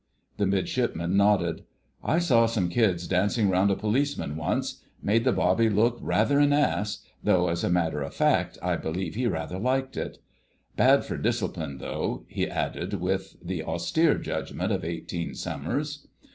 The Midshipman nodded: "I saw some kids dancing round a policeman once. Made the bobby look rather an ass—though as a matter of fact I believe he rather liked it. Bad for discipline, though," he added with the austere judgment of eighteen summers.